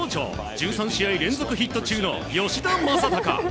１３試合連続ヒット中の吉田正尚。